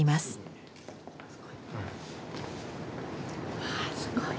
うわすごい。